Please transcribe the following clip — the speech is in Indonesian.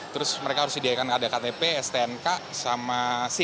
terus mereka harus sediakan ada ktp stnk sma